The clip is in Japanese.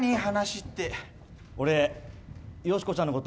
俺、よしこちゃんのこと